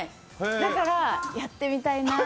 だから、やってみたいな。